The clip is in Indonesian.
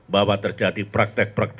bahwa terjadi praktek praktek